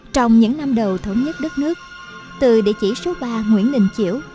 trong những năm đầu thổ nhất đất nước từ địa chỉ số ba nguyễn ninh chiểu